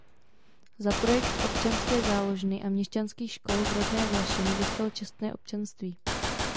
Za projekt občanské záložny a měšťanských škol v rodné Vlašimi dostal čestné občanství.